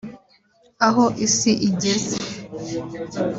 Aho isi igeze